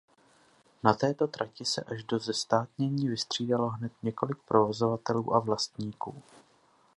Na této trati se až do zestátnění vystřídalo hned několik provozovatelů a vlastníků.